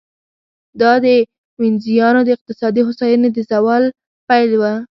دا د وینزیانو د اقتصادي هوساینې د زوال پیل و